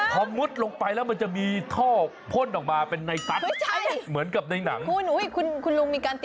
เขาไม่ได้แข็งเรือดำน้ำ